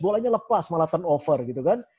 bolanya lepas malah turnover gitu kan